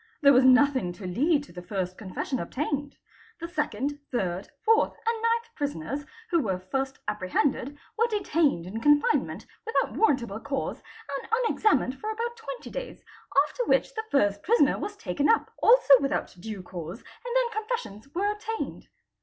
There was nothing to lead to the first confession obtained. The 2nd, ~ 3rd, 4th, and 9th prisoners who were first apprehended were detained in — confinement without warrantable cause and unexamined for about twenty days, after which the Ist prisoner was taken up, also without due cause, and then confessions were obtained.